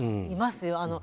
いますよ。